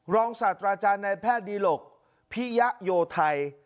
รองสัตว์ราชาลนายแพทย์ดีโหลกพิยโยไทท์